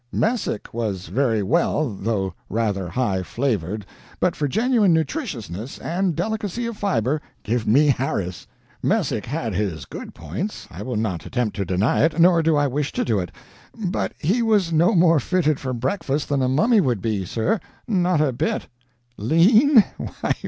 Messick was very well, though rather high flavored, but for genuine nutritiousness and delicacy of fiber, give me Harris. Messick had his good points I will not attempt to deny it, nor do I wish to do it but he was no more fitted for breakfast than a mummy would be, sir not a bit. Lean?